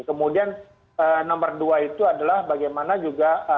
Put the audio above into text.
kemudian nomor dua itu adalah bagaimana juga